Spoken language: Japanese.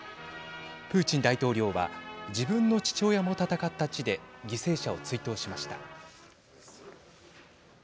プーチン大統領は自分の父親も戦った地で犠牲者を追悼しました。